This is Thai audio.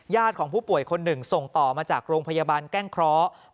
ของผู้ป่วยคนหนึ่งส่งต่อมาจากโรงพยาบาลแก้งเคราะห์